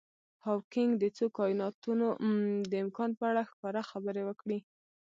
هاوکېنګ د څو کایناتونو د امکان په اړه ښکاره خبرې وکړي.